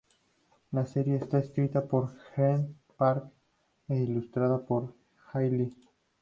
La serie está escrita por Greg Pak e ilustrada por Jae Lee.